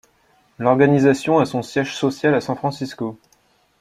L’organisation a son siège social à San Francisco.